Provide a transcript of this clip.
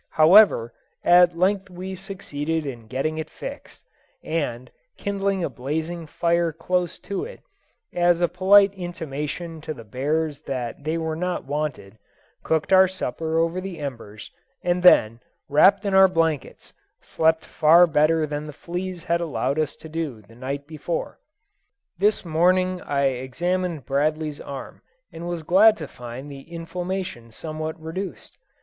However, at length we succeeded in getting it fixed; and, kindling a blazing fire close to it, as a polite intimation to the bears that they were not wanted, cooked our supper over the embers, and then, wrapped in our blankets, slept far better than the fleas had allowed us to do the night before. This morning I examined Bradley's arm, and was glad to find the inflammation somewhat reduced.